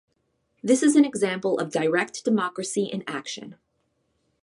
This is an example of direct democracy in action.